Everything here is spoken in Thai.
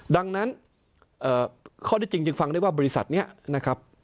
ดังนั้นข้อที่จริงจึงฟังได้ว่าบริษัทนี้นะครับ